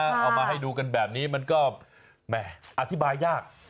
เอามาให้ดูกันแบบนี้มันก็แหม่อธิบายยาก